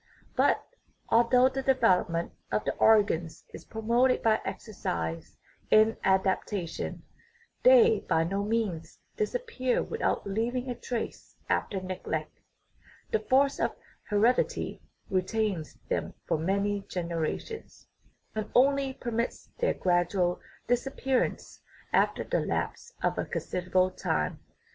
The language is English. But, although the development of the organs is promoted by exercise and adaptation, they by no means disappear without leaving a trace after neglect; the force of heredity retains them for many generations, and only per mits their gradual disappearance after the lapse of a considerable time.